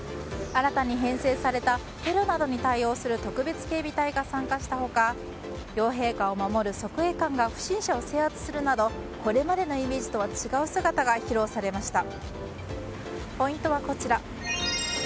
新たに編成されたテロなどに対応する特別警備隊が参加した他両陛下を守る側衛官が不審者を制圧するなどこれまでのイメージと違う姿が披露されました。